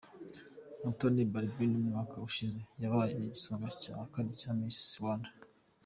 Mutoni Balbine, umwaka ushize yabaye igisonga cya kane cya Miss Rwanda.